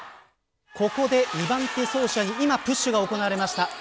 ここで２番手走者に今、プッシュが行われました。